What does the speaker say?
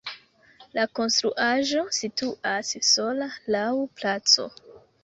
La konstruaĵo situas sola laŭ placo.